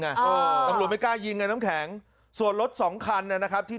นี้หรืออ๋ออ๋ออ๋อน้ำแข็งส่วนรถสองคันแนี่ยนะครับที่